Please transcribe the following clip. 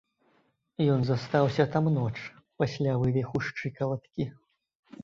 Ён застаўся там ноч пасля вывіху шчыкалаткі.